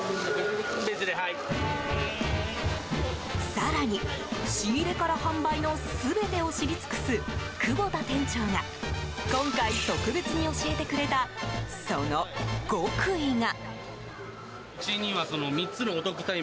更に、仕入れから販売の全てを知り尽くす久保田店長が今回特別に教えてくれた、その極意が。